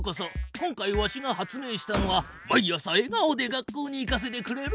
今回わしが発明したのは毎朝えがおで学校に行かせてくれるマシン。